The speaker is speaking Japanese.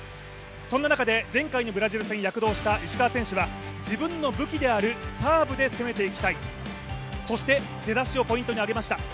そんな中で前回のブラジル戦、躍動した石川選手は自分の武器であるサーブで攻めていきたい、そして出だしをポイントに上げました。